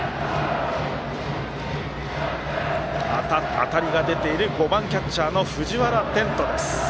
当たりが出ている５番キャッチャーの藤原天斗です。